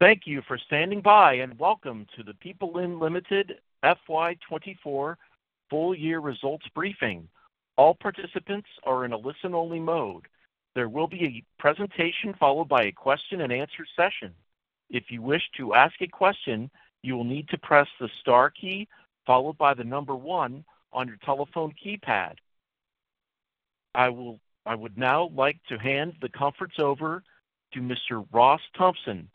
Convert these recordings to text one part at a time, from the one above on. Thank you for standing by, and welcome to the PeopleIN Limited FY24 Full Year Results Briefing. All participants are in a listen-only mode. There will be a presentation followed by a question-and-answer session. If you wish to ask a question, you will need to press the star key followed by the number one on your telephone keypad. I would now like to hand the conference over to Mr. Ross Thompson,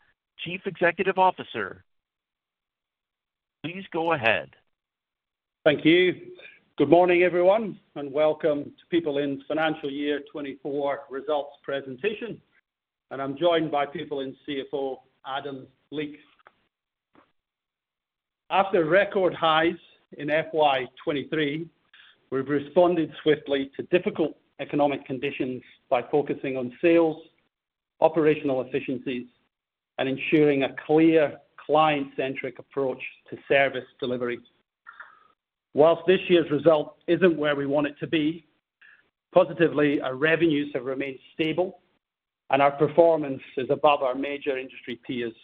Chief Executive Officer. Please go ahead. Thank you. Good morning, everyone, and welcome to PeopleIN Financial Year 2024 Results Presentation, and I'm joined by PeopleIN CFO, Adam Leake. After record highs in FY23, we've responded swiftly to difficult economic conditions by focusing on sales, operational efficiencies, and ensuring a clear client-centric approach to service delivery. While this year's result isn't where we want it to be, positively, our revenues have remained stable and our performance is above our major industry peers,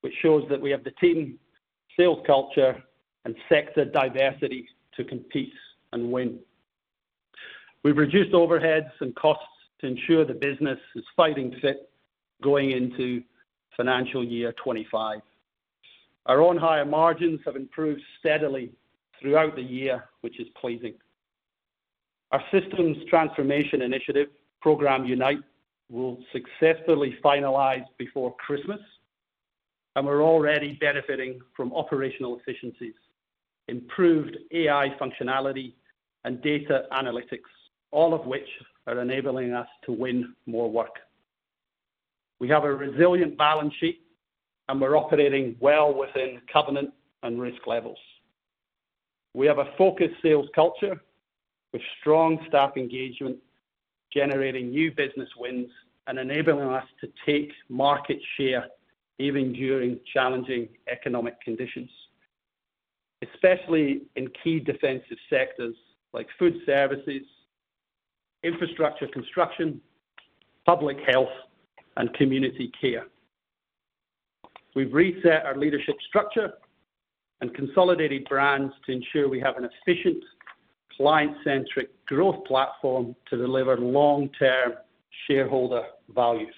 which shows that we have the team, sales culture, and sector diversity to compete and win. We've reduced overheads and costs to ensure the business is fighting fit going into Financial Year 2025. Our on-hire margins have improved steadily throughout the year, which is pleasing. Our systems transformation initiative, Program Unite, will successfully finalize before Christmas, and we're already benefiting from operational efficiencies, improved AI functionality, and data analytics, all of which are enabling us to win more work. We have a resilient balance sheet, and we're operating well within covenant and risk levels. We have a focused sales culture with strong staff engagement, generating new business wins and enabling us to take market share even during challenging economic conditions, especially in key defensive sectors like food services, infrastructure construction, public health, and community care. We've reset our leadership structure and consolidated brands to ensure we have an efficient, client-centric growth platform to deliver long-term shareholder values.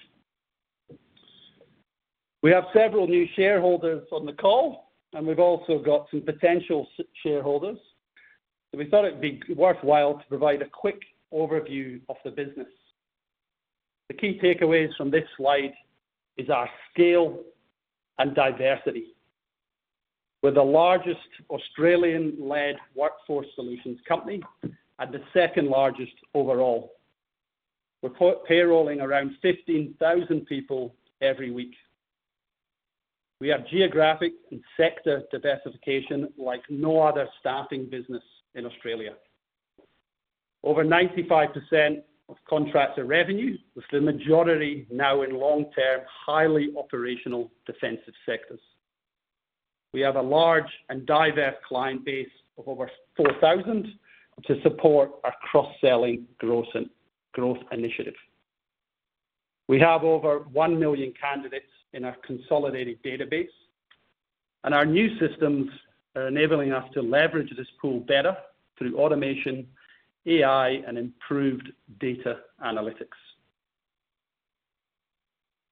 We have several new shareholders on the call, and we've also got some potential shareholders, so we thought it'd be worthwhile to provide a quick overview of the business. The key takeaways from this slide is our scale and diversity. We're the largest Australian-led workforce solutions company and the second-largest overall. We're payrolling around 15,000 people every week. We have geographic and sector diversification like no other staffing business in Australia. Over 95% of contractor revenues, with the majority now in long-term, highly operational, defensive sectors. We have a large and diverse client base of over 4,000 to support our cross-selling growth initiative. We have over 1 million candidates in our consolidated database, and our new systems are enabling us to leverage this pool better through automation, AI, and improved data analytics.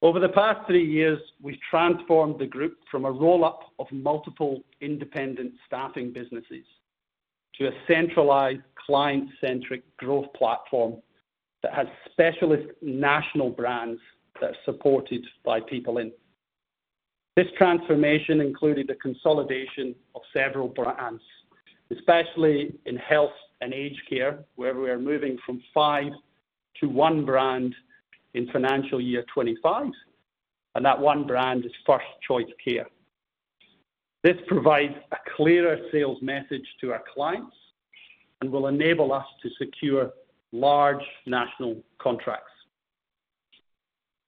Over the past three years, we've transformed the group from a roll-up of multiple independent staffing businesses to a centralized, client-centric growth platform that has specialist national brands that are supported by PeopleIN. This transformation included the consolidation of several brands, especially in health and aged care, where we are moving from five to one brand in financial year 2025, and that one brand is First Choice Care. This provides a clearer sales message to our clients and will enable us to secure large national contracts.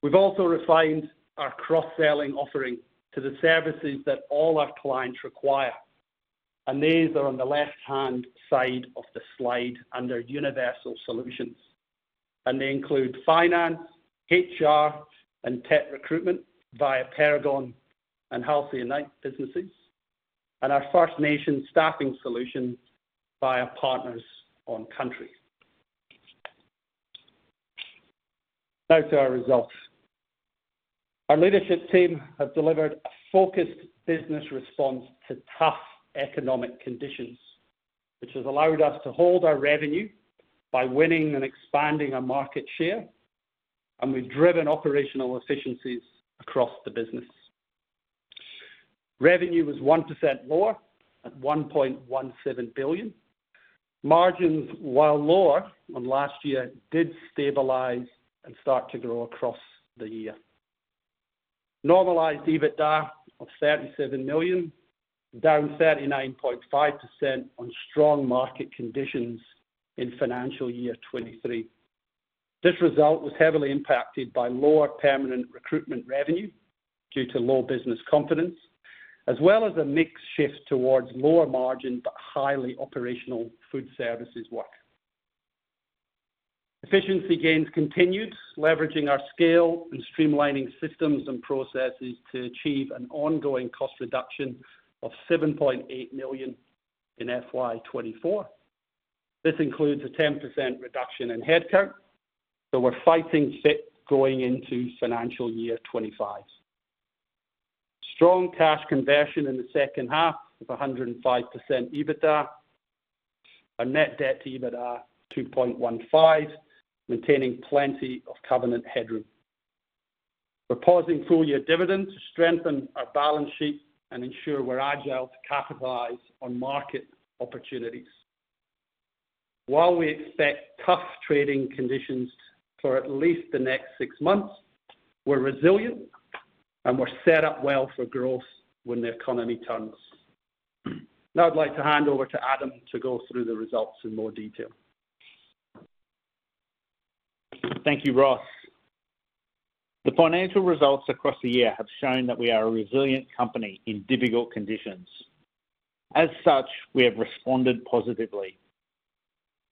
We've also refined our cross-selling offering to the services that all our clients require, and these are on the left-hand side of the slide under Universal Solutions, and they include finance, HR, and tech recruitment via Perigon and Halcyon Knights businesses, and our First Nations staffing solution via Partners on Country. Now to our results. Our leadership team have delivered a focused business response to tough economic conditions, which has allowed us to hold our revenue by winning and expanding our market share, and we've driven operational efficiencies across the business. Revenue was 1% lower at 1.17 billion. Margins, while lower than last year, did stabilize and start to grow across the year. Normalized EBITDA of 37 million, down 39.5% on strong market conditions in financial year 2023. This result was heavily impacted by lower permanent recruitment revenue due to low business confidence, as well as a mix shift towards lower margin, but highly operational food services work. Efficiency gains continued, leveraging our scale and streamlining systems and processes to achieve an ongoing cost reduction of 7.8 million in FY 2024. This includes a 10% reduction in headcount, so we're fighting fit going into financial year 2025. Strong cash conversion in the second half of 105% EBITDA. Our net debt to EBITDA, 2.15, maintaining plenty of covenant headroom. We're pausing full year dividends to strengthen our balance sheet and ensure we're agile to capitalize on market opportunities. While we expect tough trading conditions for at least the next six months, we're resilient, and we're set up well for growth when the economy turns. Now I'd like to hand over to Adam to go through the results in more detail. Thank you, Ross. The financial results across the year have shown that we are a resilient company in difficult conditions. As such, we have responded positively.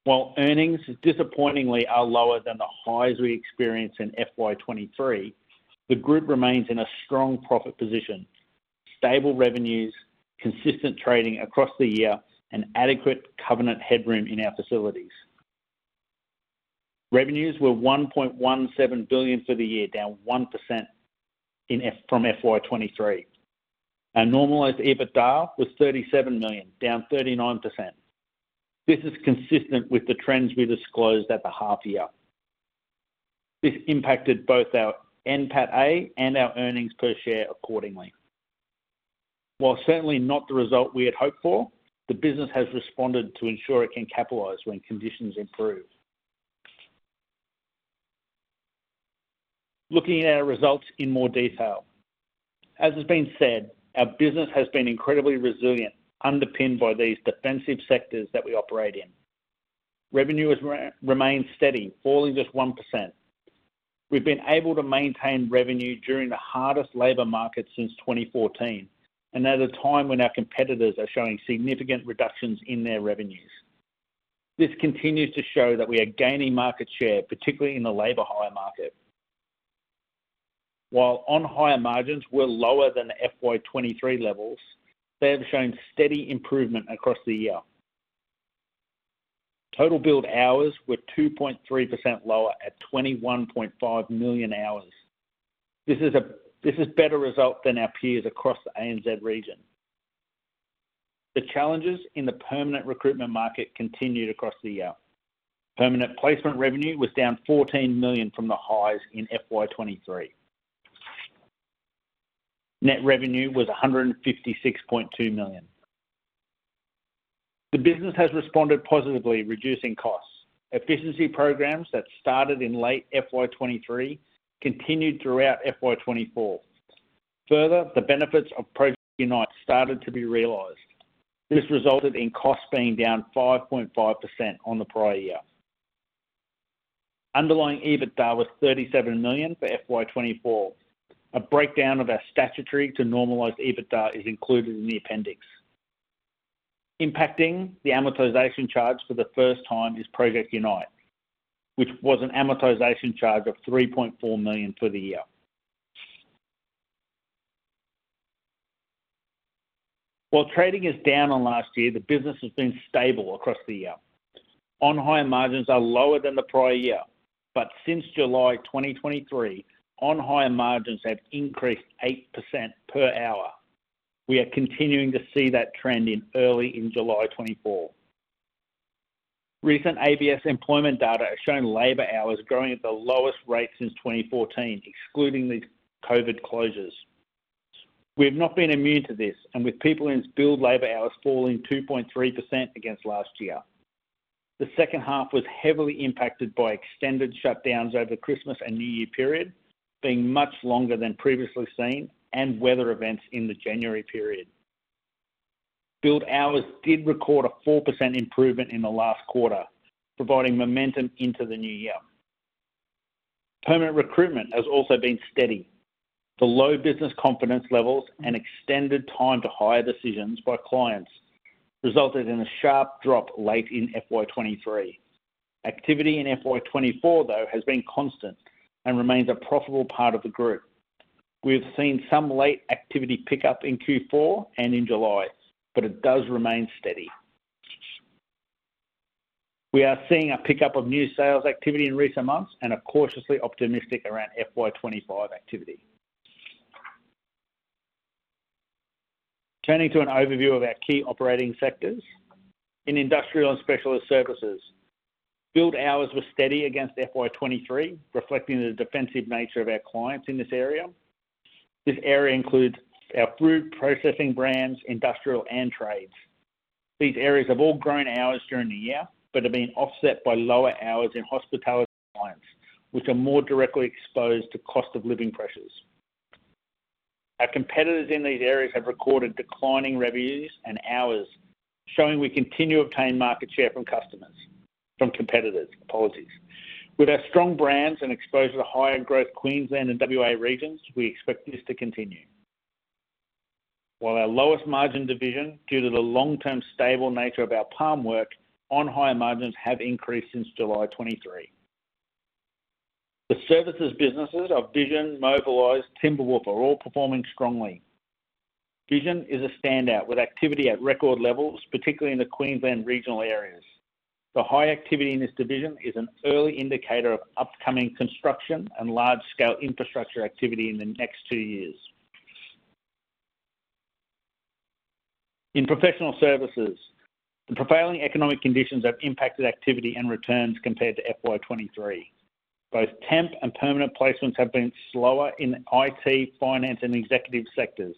While earnings disappointingly are lower than the highs we experienced in FY 2023, the group remains in a strong profit position, stable revenues, consistent trading across the year, and adequate covenant headroom in our facilities. Revenues were 1.17 billion for the year, down 1% from FY 2023. Our normalized EBITDA was 37 million, down 39%. This is consistent with the trends we disclosed at the half year. This impacted both our NPATA and our earnings per share accordingly. While certainly not the result we had hoped for, the business has responded to ensure it can capitalize when conditions improve. Looking at our results in more detail. As has been said, our business has been incredibly resilient, underpinned by these defensive sectors that we operate in. Revenue has remained steady, falling just 1%. We've been able to maintain revenue during the hardest labor market since 2014, and at a time when our competitors are showing significant reductions in their revenues. This continues to show that we are gaining market share, particularly in the labor hire market. While on-hire margins were lower than the FY 2023 levels, they have shown steady improvement across the year. Total billed hours were 2.3% lower at 21.5 million hours. This is a better result than our peers across the ANZ region. The challenges in the permanent recruitment market continued across the year. Permanent placement revenue was down 14 million from the highs in FY 2023. Net revenue was 156.2 million. The business has responded positively, reducing costs. Efficiency programs that started in late FY 2023 continued throughout FY 2024. Further, the benefits of Project Unite started to be realized. This resulted in costs being down 5.5% on the prior year. Underlying EBITDA was 37 million for FY 2024. A breakdown of our statutory to normalized EBITDA is included in the appendix. Impacting the amortization charge for the first time is Project Unite, which was an amortization charge of 3.4 million for the year. While trading is down on last year, the business has been stable across the year. On-hire margins are lower than the prior year, but since July 2023, on-hire margins have increased 8% per hour. We are continuing to see that trend in early July 2024. Recent ABS employment data has shown labor hours growing at the lowest rate since 2014, excluding the COVID closures. We have not been immune to this, and with PeopleIN billed labor hours falling 2.3% against last year. The second half was heavily impacted by extended shutdowns over the Christmas and New Year period, being much longer than previously seen, and weather events in the January period. Billed hours did record a 4% improvement in the last quarter, providing momentum into the new year. Permanent recruitment has also been steady. The low business confidence levels and extended time to hire decisions by clients resulted in a sharp drop late in FY23. Activity in FY24, though, has been constant and remains a profitable part of the group. We have seen some late activity pick up in Q4 and in July, but it does remain steady. We are seeing a pickup of new sales activity in recent months and are cautiously optimistic around FY 2025 activity. Turning to an overview of our key operating sectors. In industrial and specialist services, billed hours were steady against FY 2023, reflecting the defensive nature of our clients in this area. This area includes our food processing brands, industrial, and trades. These areas have all grown hours during the year, but have been offset by lower hours in hospitality clients, which are more directly exposed to cost of living pressures. Our competitors in these areas have recorded declining revenues and hours, showing we continue to obtain market share from competitors. Apologies. With our strong brands and exposure to higher growth Queensland and WA regions, we expect this to continue. While our lowest margin division, due to the long-term stable nature of our PALM work on higher margins, have increased since July 2023. The services businesses of Vision, Mobilise, Timberwolf, are all performing strongly. Vision is a standout, with activity at record levels, particularly in the Queensland regional areas. The high activity in this division is an early indicator of upcoming construction and large-scale infrastructure activity in the next two years. In professional services, the prevailing economic conditions have impacted activity and returns compared to FY23. Both temp and permanent placements have been slower in IT, finance, and executive sectors,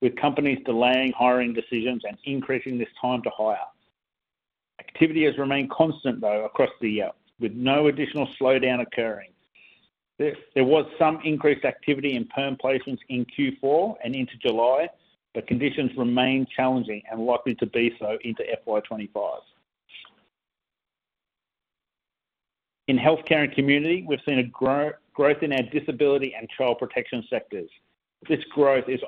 with companies delaying hiring decisions and increasing this time to hire. Activity has remained constant, though, across the year, with no additional slowdown occurring. There was some increased activity in perm placements in Q4 and into July, but conditions remain challenging and likely to be so into FY25. In healthcare and community, we've seen a growth in our disability and child protection sectors. This growth is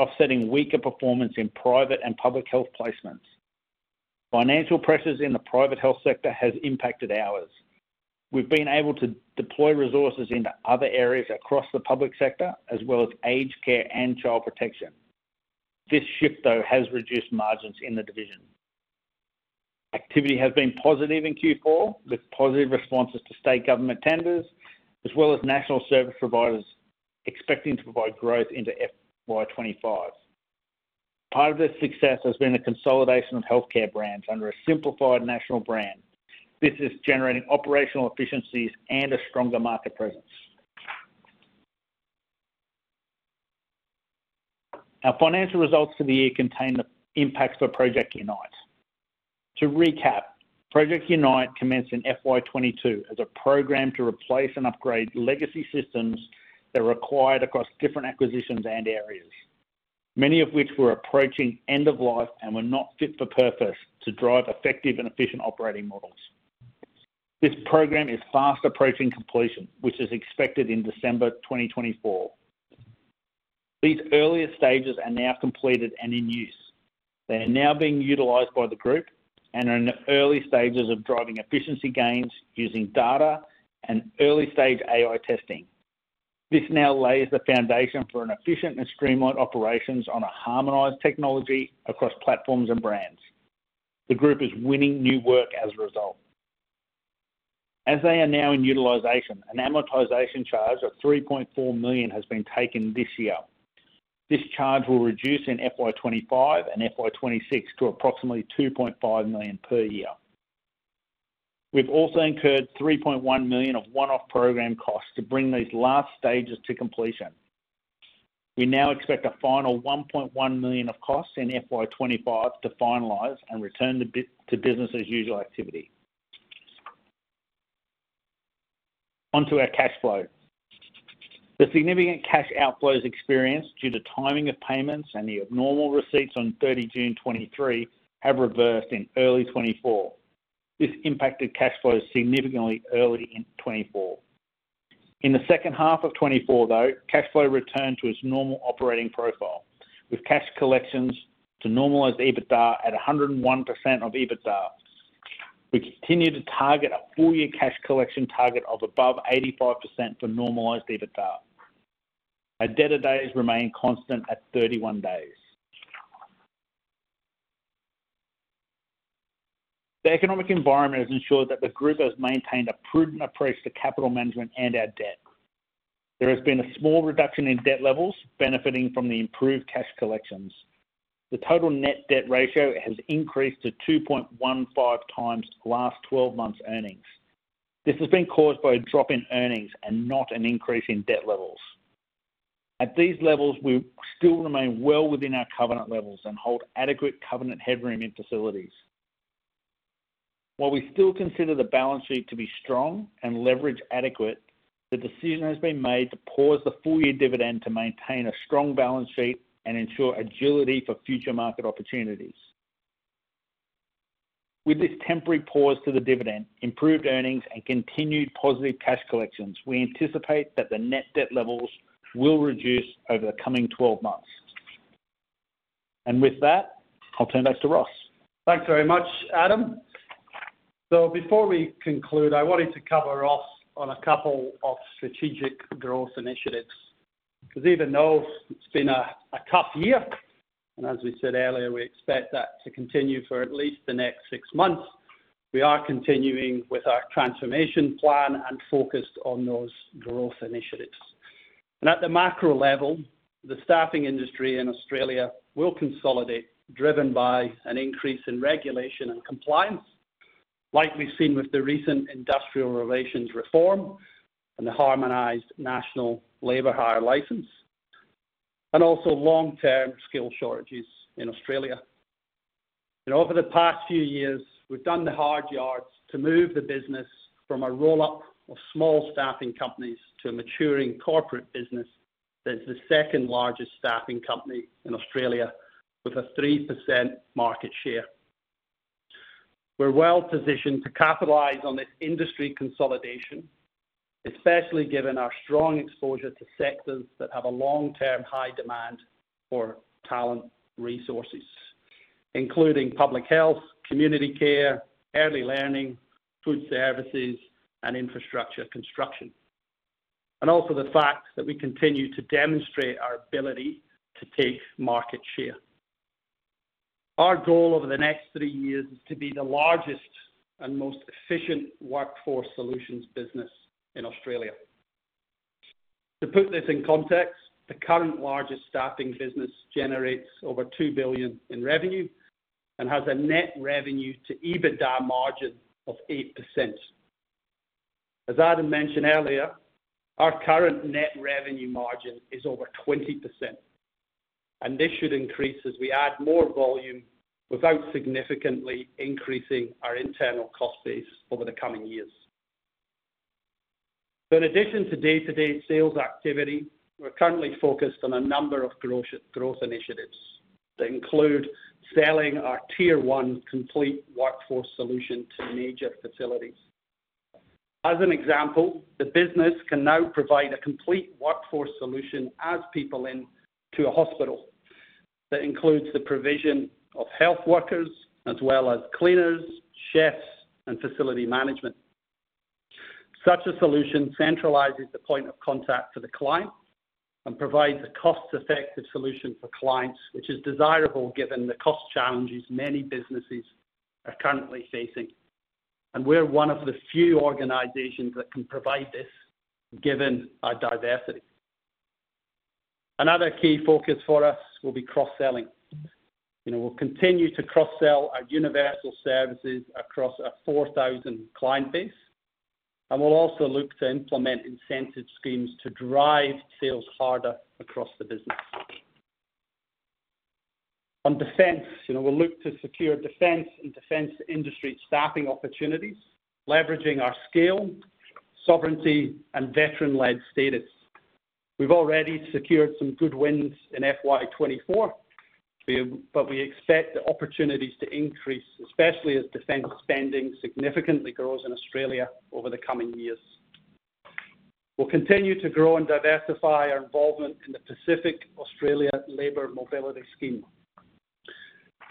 offsetting weaker performance in private and public health placements. Financial pressures in the private health sector has impacted ours. We've been able to deploy resources into other areas across the public sector, as well as aged care and child protection. This shift, though, has reduced margins in the division. Activity has been positive in Q4, with positive responses to state government tenders, as well as national service providers expecting to provide growth into FY25. Part of this success has been a consolidation of healthcare brands under a simplified national brand. This is generating operational efficiencies and a stronger market presence. Our financial results for the year contain the impacts for Project Unite. To recap, Project Unite commenced in FY 2022 as a program to replace and upgrade legacy systems that were acquired across different acquisitions and areas, many of which were approaching end of life and were not fit for purpose to drive effective and efficient operating models. This program is fast approaching completion, which is expected in December 2024. These earliest stages are now completed and in use. They are now being utilized by the group and are in the early stages of driving efficiency gains using data and early-stage AI testing. This now lays the foundation for an efficient and streamlined operations on a harmonized technology across platforms and brands. The group is winning new work as a result. As they are now in utilization, an amortization charge of 3.4 million has been taken this year. This charge will reduce in FY25 and FY26 to approximately 2.5 million per year. We've also incurred 3.1 million of one-off program costs to bring these last stages to completion. We now expect a final 1.1 million of costs in FY25 to finalize and return to business as usual activity. Onto our cash flow. The significant cash outflows experienced due to timing of payments and the abnormal receipts on 30 June 2023 have reversed in early 2024. This impacted cash flow significantly early in 2024. In the second half of 2024, though, cash flow returned to its normal operating profile, with cash collections to normalized EBITDA at 101% of EBITDA. We continue to target a full-year cash collection target of above 85% for normalized EBITDA. Our debtor days remain constant at 31 days. The economic environment has ensured that the group has maintained a prudent approach to capital management and our debt. There has been a small reduction in debt levels, benefiting from the improved cash collections. The total net debt ratio has increased to 2.15 times the last twelve months' earnings. This has been caused by a drop in earnings and not an increase in debt levels. At these levels, we still remain well within our covenant levels and hold adequate covenant headroom and facilities. While we still consider the balance sheet to be strong and leverage adequate, the decision has been made to pause the full-year dividend to maintain a strong balance sheet and ensure agility for future market opportunities. With this temporary pause to the dividend, improved earnings, and continued positive cash collections, we anticipate that the net debt levels will reduce over the coming 12 months. With that, I'll turn back to Ross. Thanks very much, Adam. So before we conclude, I wanted to cover off on a couple of strategic growth initiatives, 'cause even though it's been a tough year, and as we said earlier, we expect that to continue for at least the next six months, we are continuing with our transformation plan and focused on those growth initiatives, and at the macro level, the staffing industry in Australia will consolidate, driven by an increase in regulation and compliance, like we've seen with the recent industrial relations reform and the harmonized national labor hire license, and also long-term skill shortages in Australia. Over the past few years, we've done the hard yards to move the business from a roll-up of small staffing companies to a maturing corporate business that's the second-largest staffing company in Australia, with a 3% market share. We're well positioned to capitalize on this industry consolidation, especially given our strong exposure to sectors that have a long-term high demand for talent resources, including public health, community care, early learning, food services, and infrastructure construction and also the fact that we continue to demonstrate our ability to take market share. Our goal over the next three years is to be the largest and most efficient workforce solutions business in Australia. To put this in context, the current largest staffing business generates over 2 billion in revenue and has a net revenue to EBITDA margin of 8%. As Adam mentioned earlier, our current net revenue margin is over 20%, and this should increase as we add more volume without significantly increasing our internal cost base over the coming years. So in addition to day-to-day sales activity, we're currently focused on a number of growth initiatives that include selling our tier one complete workforce solution to major facilities. As an example, the business can now provide a complete workforce solution as PeopleIN to a hospital. That includes the provision of health workers as well as cleaners, chefs, and facility management. Such a solution centralizes the point of contact for the client and provides a cost-effective solution for clients, which is desirable given the cost challenges many businesses are currently facing, and we're one of the few organizations that can provide this, given our diversity. Another key focus for us will be cross-selling. You know, we'll continue to cross-sell our universal services across a 4,000 client base, and we'll also look to implement incentive schemes to drive sales harder across the business. On defense, you know, we'll look to secure defense and defense industry staffing opportunities, leveraging our scale, sovereignty, and veteran-led status. We've already secured some good wins in FY24, but we expect the opportunities to increase, especially as defense spending significantly grows in Australia over the coming years. We'll continue to grow and diversify our involvement in the Pacific Australia Labor Mobility Scheme.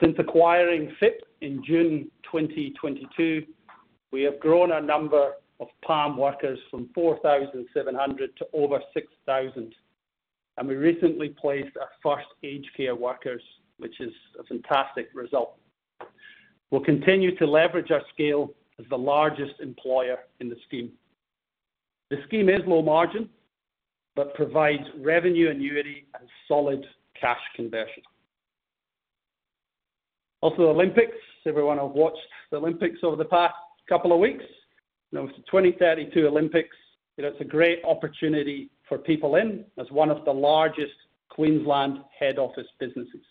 Since acquiring FIP in June 2022, we have grown our number of PALM workers from 4,700 to over 6,000, and we recently placed our first aged care workers, which is a fantastic result. We'll continue to leverage our scale as the largest employer in the scheme. The scheme is low margin, but provides revenue, annuity, and solid cash conversion. Also, Olympics. Everyone has watched the Olympics over the past couple of weeks. You know, the 2032 Olympics, it is a great opportunity for PeopleIN, as one of the largest Queensland head office businesses.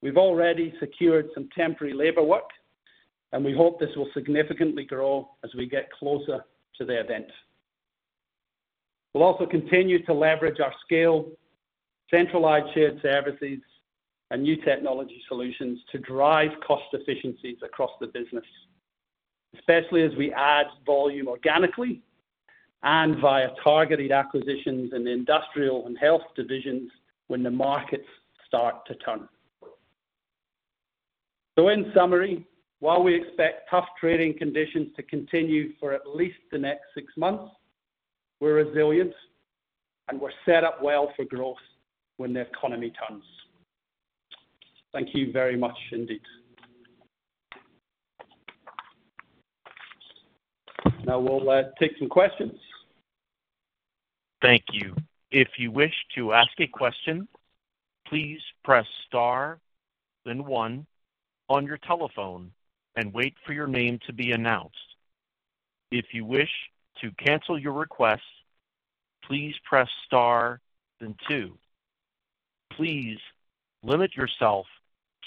We've already secured some temporary labor work, and we hope this will significantly grow as we get closer to the event. We'll also continue to leverage our scale, centralized shared services, and new technology solutions to drive cost efficiencies across the business, especially as we add volume organically and via targeted acquisitions in the industrial and health divisions when the markets start to turn. So in summary, while we expect tough trading conditions to continue for at least the next six months, we're resilient, and we're set up well for growth when the economy turns. Thank you very much indeed. Now we'll take some questions. Thank you. If you wish to ask a question, please press star, then one on your telephone and wait for your name to be announced. If you wish to cancel your request, please press star, then two. Please limit yourself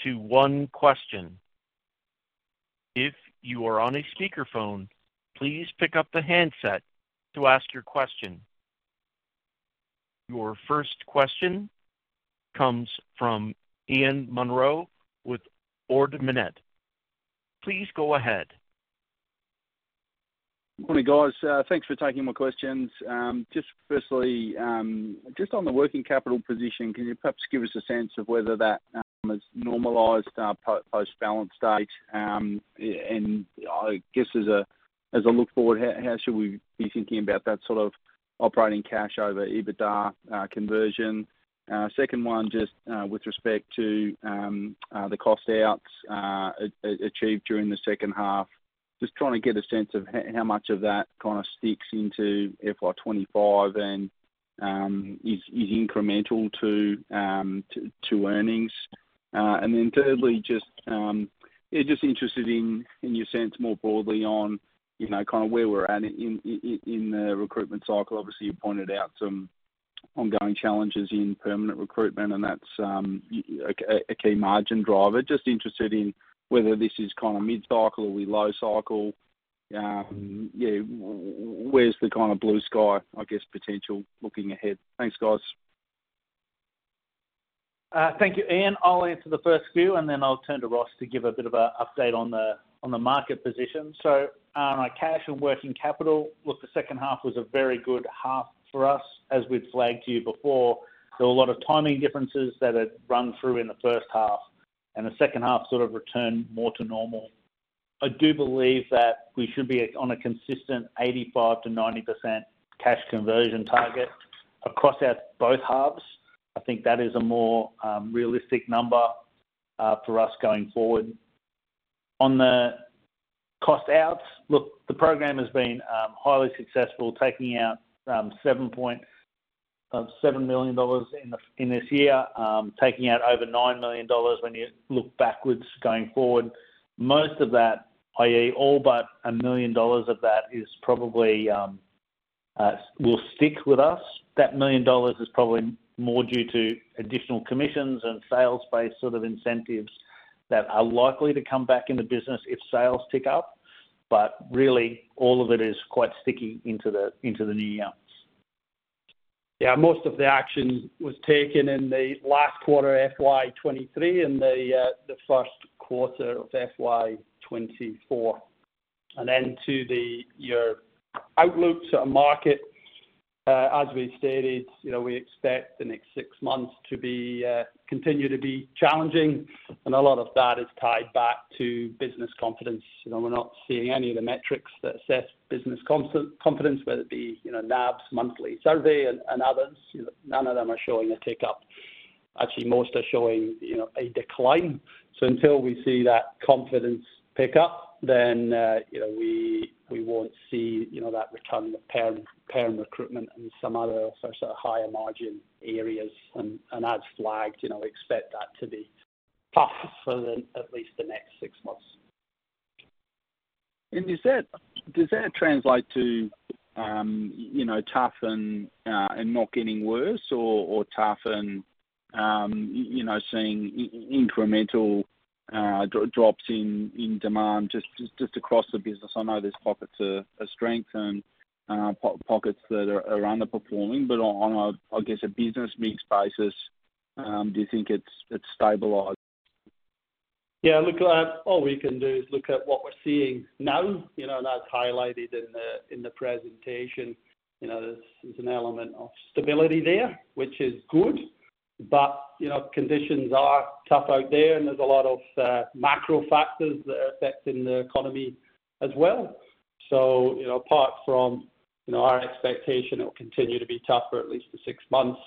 to one question. If you are on a speakerphone, please pick up the handset to ask your question. Your first question comes from Ian Munro with Ord Minnett. Please go ahead. Morning, guys. Thanks for taking my questions. Just firstly, just on the working capital position, can you perhaps give us a sense of whether that has normalized post-balance date, and I guess as I look forward, how should we be thinking about that sort of operating cash over EBITDA conversion? Second one, just with respect to the cost outs achieved during the second half, just trying to get a sense of how much of that kind of sticks into FY 2025 and is incremental to earnings. And then thirdly, just yeah, just interested in your sense more broadly on, you know, kind of where we're at in the recruitment cycle. Obviously, you pointed out some ongoing challenges in permanent recruitment, and that's a key margin driver. Just interested in whether this is kind of mid-cycle or we low cycle. Where's the kind of blue sky, I guess, potential looking ahead? Thanks, guys. Thank you, Ian. I'll answer the first few, and then I'll turn to Ross to give a bit of a update on the, on the market position. So, on our cash and working capital, look, the second half was a very good half for us. As we'd flagged to you before, there were a lot of timing differences that had run through in the first half, and the second half sort of returned more to normal. I do believe that we should be at, on a consistent 85%-90% cash conversion target across our both halves. I think that is a more, realistic number, for us going forward. On the cost outs, look, the program has been, highly successful, taking out, 7.7 million dollars in the, in this year. Taking out over 9 million dollars when you look backwards, going forward. Most of that, i.e., all but 1 million dollars of that is probably will stick with us. That million dollars is probably more due to additional commissions and sales-based sort of incentives that are likely to come back in the business if sales pick up. But really, all of it is quite sticky into the new year. Yeah, most of the action was taken in the last quarter, FY 2023 and the Q1 of FY 2024. And then to your outlook to market, as we stated, you know, we expect the next six months to be continue to be challenging, and a lot of that is tied back to business confidence. You know, we're not seeing any of the metrics that assess business confidence, whether it be, you know, NAB's monthly survey and others. You know, none of them are showing a tick-up. Actually, most are showing, you know, a decline. So until we see that confidence pick up, then, you know, we won't see that return to perm recruitment and some other sort of higher margin areas. As flagged, you know, expect that to be tough for at least the next six months. Does that translate to, you know, tough and not getting worse or tough and, you know, seeing incremental drops in demand just across the business? I know there's pockets of strength and pockets that are underperforming, but on a business mix basis, I guess, do you think it's stabilized? Yeah, look, all we can do is look at what we're seeing now, you know, and that's highlighted in the presentation. You know, there's an element of stability there, which is good. But, you know, conditions are tough out there, and there's a lot of macro factors that are affecting the economy as well. So, you know, apart from, you know, our expectation, it will continue to be tough for at least the six months,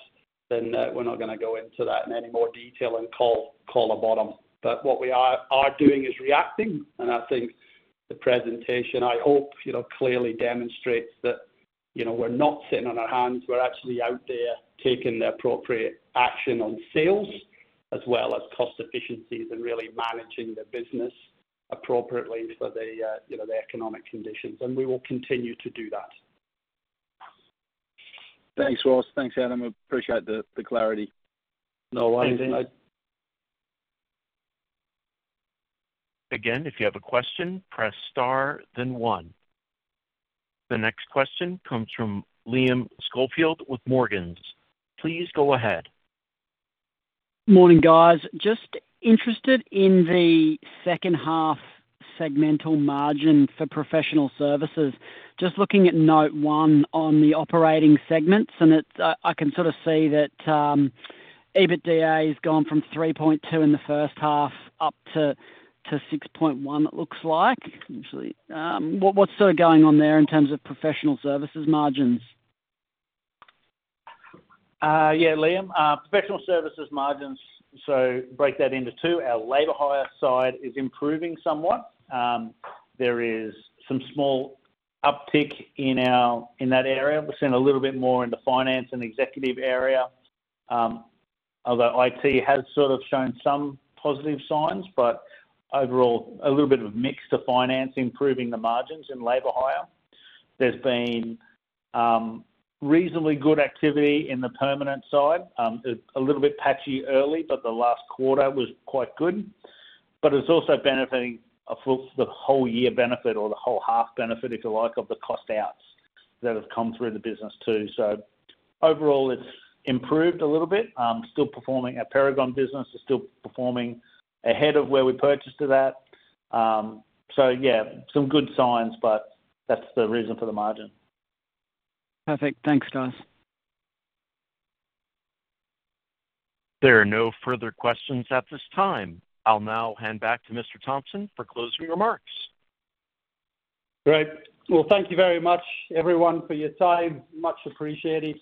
then we're not gonna go into that in any more detail and call a bottom. But what we are doing is reacting, and I think the presentation, I hope, you know, clearly demonstrates that, you know, we're not sitting on our hands. We're actually out there taking the appropriate action on sales, as well as cost efficiencies and really managing the business appropriately for the, you know, the economic conditions. And we will continue to do that. Thanks, Ross. Thanks, Adam. I appreciate the clarity. No worries. Again, if you have a question, press star then one. The next question comes from Liam Schofield with Morgans. Please go ahead. Morning, guys. Just interested in the second half segmental margin for professional services. Just looking at note one on the operating segments, and it's, I can sort of see that, EBITDA has gone from three point two in the first half up to six point one, it looks like, actually. What's sort of going on there in terms of professional services margins? Yeah, Liam, professional services margins, so break that into two. Our labor hire side is improving somewhat. There is some small uptick in that area. We're seeing a little bit more in the finance and executive area. Although IT has sort of shown some positive signs, but overall, a little bit of a mix to finance, improving the margins in labor hire. There's been reasonably good activity in the permanent side. A little bit patchy early, but the last quarter was quite good. But it's also benefiting the whole year benefit or the whole half benefit, if you like, of the cost outs that have come through the business too. So overall, it's improved a little bit. Still performing. Our Perigon business is still performing ahead of where we purchased it at. So yeah, some good signs, but that's the reason for the margin. Perfect. Thanks, guys. There are no further questions at this time. I'll now hand back to Mr. Thompson for closing remarks. Great. Well, thank you very much, everyone, for your time. Much appreciated.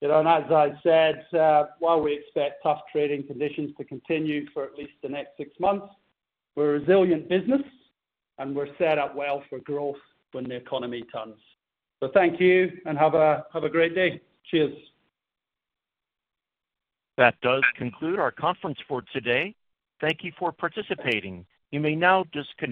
You know, and as I've said, while we expect tough trading conditions to continue for at least the next six months, we're a resilient business, and we're set up well for growth when the economy turns. So thank you, and have a great day. Cheers. That does conclude our conference for today. Thank you for participating. You may now disconnect.